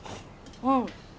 うん。